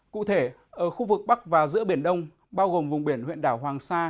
cụ thể ở khu vực bắc và giữa biển đông bao gồm vùng biển huyện đảo hoàng sa